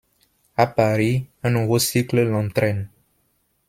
À Paris, un nouveau cycle l’entraîne.